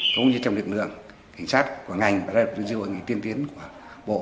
cũng như trong lực lượng hình sát của ngành và đối với dự hội tiên tiến của bộ